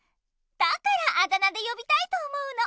だからあだ名でよびたいと思うの。